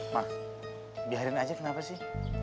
makh biarin aja kenapa sih